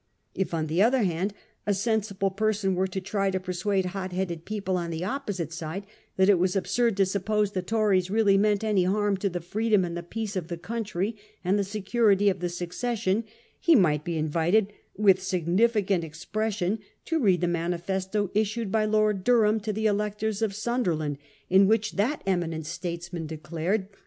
If, on the other hand, a sensible person were to try to per suade hot headed people on the opposite side that it was absurd to suppose the Tories really meant any harm to the freedom and the peace of the country and the security of the succession, he might be in vited with significant expression to read the mani festo issued by Lord Durham to the electors of Sunderland, in which that eminent statesman declared 24 A HISTORY OF OUR OWN TIMES. cn. i.